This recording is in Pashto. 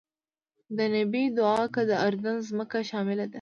د نبی دعا کې د اردن ځمکه شامله ده.